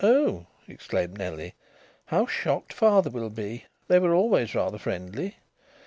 "Oh!" exclaimed Nellie. "How shocked father will be! They were always rather friendly.